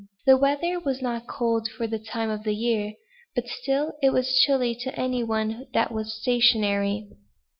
The weather was not cold for the time of year, but still it was chilly to any one that was stationary.